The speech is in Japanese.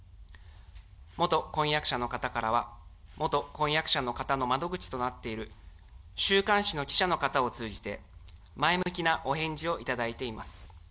元婚約者の方からは、元婚約者の方の窓口となっている週刊誌の記者の方を通じて、前向きなお返事をいただいています。